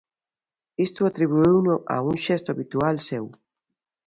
Isto atribuíuno a un "xesto habitual" seu.